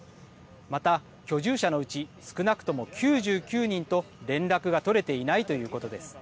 また、居住者のうち少なくとも９９人と連絡が取れていないということです。